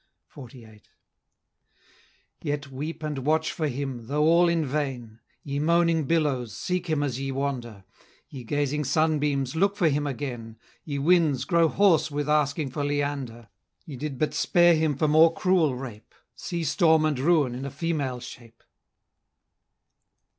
XLVIII. Yet weep and watch for him, though all in vain! Ye moaning billows, seek him as ye wander! Ye gazing sunbeams, look for him again! Ye winds, grow hoarse with asking for Leander! Ye did but spare him for more cruel rape, Sea storm and ruin in a female shape!